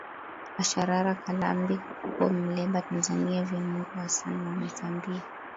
asharara kalambi huko mleba tanzania vyamungu hassan wa zambia